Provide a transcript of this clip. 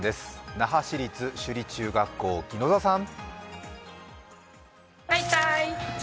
那覇市立首里中学校、宜野座さん。